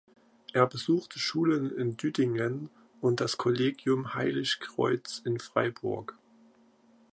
Er besuchte Schulen in Düdingen und das Kollegium Heilig Kreuz in Freiburg.